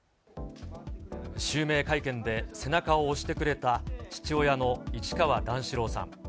襲名会見で背中を押してくれた父親の市川段四郎さん。